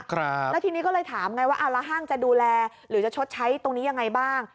แล้วทีนี้ก็เลยถามไงว่าเอาละห้างจะดูแลหรือจะชดใช้ตรงนี้ยังไงบ้าง